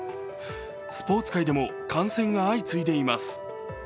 スポーツ界でも感染が相次いでいます。